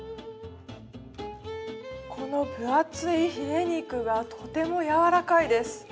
この分厚いヒレ肉がとても柔らかいです。